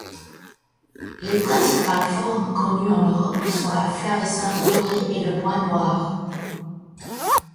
Les principales formes connues en Europe sont la flavescence dorée et le bois noir.